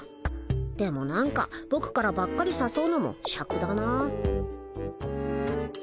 でもなんかぼくからばっかりさそうのもしゃくだなあ。